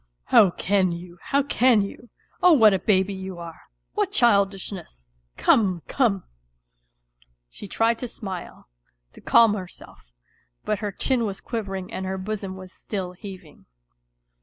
" How can you ? How can you ? Oh, what a baby you are ! what childishness !... Come, come !" She tried to smile, to calm herself, but her chin was quivering and her bosom was still heaving.